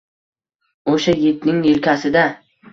O‘sha yigitning yelkasi-da.